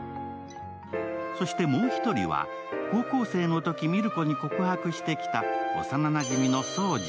そしてもう一人は高校生のときに海松子に告白してきた幼なじみの奏樹。